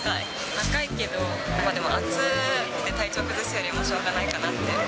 高いけど、でも暑くて体調崩すよりはしょうがないかなって。